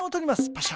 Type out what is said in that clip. パシャ。